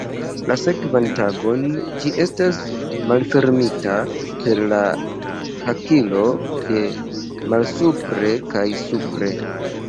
La sekvan tagon ĝi estas malfermita per la hakilo de malsupre kaj supre.